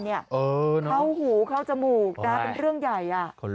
เข้าหูเข้าจมูกนะเป็นเรื่องใหญ่